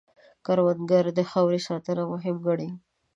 کروندګر د خاورې ساتنه مهم ګڼي